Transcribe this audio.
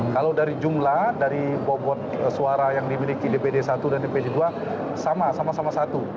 kalau dari jumlah dari bobot suara yang dimiliki dpd satu dan dpd dua sama sama satu